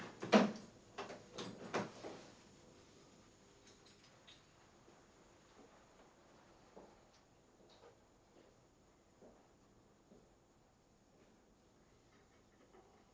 kalau tidak mau tancap semuanya